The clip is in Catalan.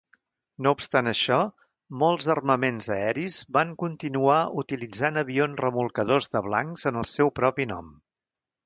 No obstant això, molts armaments aeris van continuar utilitzant avions remolcadors de blancs en el seu propi nom.